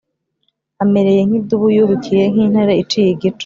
Amereye nk’idubu yubikiye, Nk’intare iciye igico.